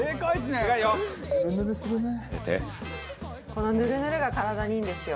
このヌルヌルが体にいいんですよ。